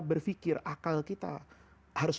berpikir akal kita harus